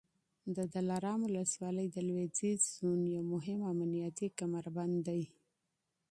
د دلارام ولسوالي د لوېدیځ زون یو مهم امنیتي کمربند دی